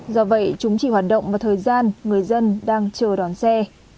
do vậy chúng chỉ hoạt động vào thời gian người dân đang chờ đón xe